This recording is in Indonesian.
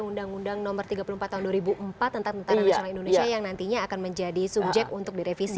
undang undang nomor tiga puluh empat tahun dua ribu empat tentang tentara nasional indonesia yang nantinya akan menjadi subjek untuk direvisi